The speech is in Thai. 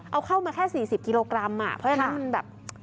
เอาเข้ามาแค่๔๐กิโลกรัมอ่ะเพราะฉะนั้นมันแบบ